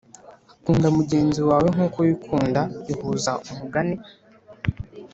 kunda mugenzi wawe nkuko wikunda ihuza umugani